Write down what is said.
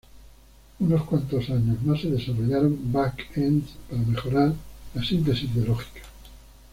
Unos cuantos años más, se desarrollaron backs-ends para mejorar la síntesis de lógica.